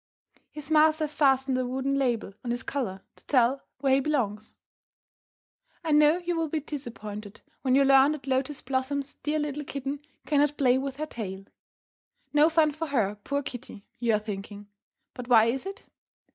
His master has fastened a wooden label on his collar to tell where he belongs. I know you will be disappointed when you learn that Lotus Blossom's dear little kitten cannot play with her tail. No fun for her, poor kitty, you are thinking. But why is it?